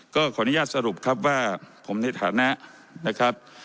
ก็ขออนุญาตสรุปครับว่าผมในฐานะนะครับ